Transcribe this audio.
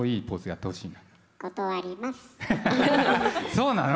そうなの？